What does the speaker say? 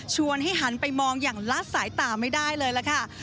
ให้หันไปมองอย่างละสายตาไม่ได้เลยล่ะค่ะ